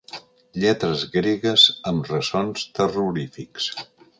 Lletres gregues amb ressons terrorífics.